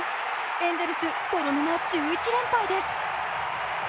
エンゼルス、泥沼１１連敗です。